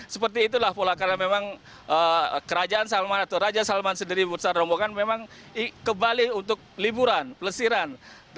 seperti itulah pola karena memang kerajaan salman atau raja salman sendiri bursa rombongan memang kembali untuk liburan pelesiran